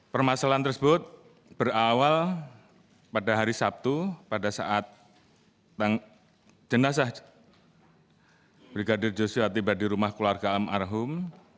permasalahan tersebut berawal pada hari sabtu pada saat jenazah brigadir joshua tiba di rumah keluarga almarhum